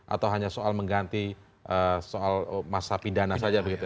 atau hanya soal mengganti soal masa pidana saja begitu